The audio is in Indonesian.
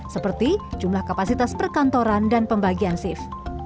seperti jumlah kapasitas perkantoran dan pembagian shift